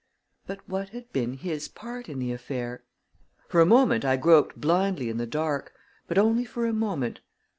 But what had been his part in the affair? For a moment, I groped blindly in the dark, but only for a moment.